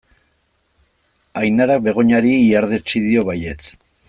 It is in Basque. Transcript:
Ainarak Begoñari ihardetsi dio baietz.